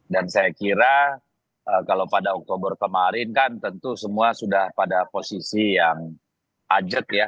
dan saya kira kalau pada oktober kemarin kan tentu semua sudah pada posisi yang ajak ya